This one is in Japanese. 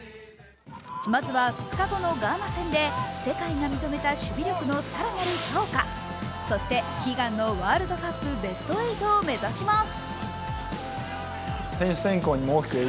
まずは、２日後のガーナ戦で世界が認めた守備力の更なる強化、そして、悲願のワールドカップベスト８を目指します。